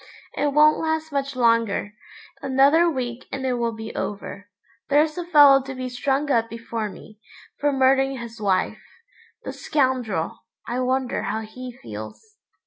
It won't last much longer. Another week and it will be over. There's a fellow to be strung up before me, for murdering his wife. The scoundrel, I wonder how he feels?